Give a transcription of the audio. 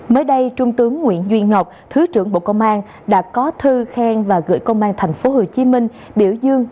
mới đây trung tướng nguyễn duy ngọc thứ trưởng bộ công an đã có thư khen và gửi công an tp hcm biểu dương